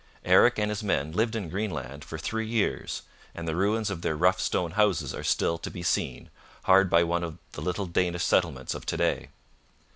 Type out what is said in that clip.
Eric and his men lived in Greenland for three years, and the ruins of their rough stone houses are still to be seen, hard by one of the little Danish settlements of to day.